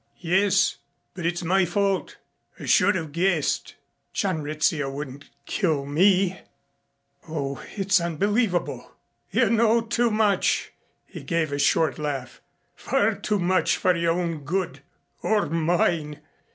"Yes. But it's my fault. I should have guessed." "John Rizzio would kill me. Oh, it's unbelievable!" "You know too much." He gave a short laugh. "Far too much for your own good or mine."